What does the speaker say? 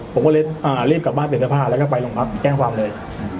ผมก็เรียบกลับบ้านเปลี่ยนสภาแล้วไปหลวงพักแก้งความเลย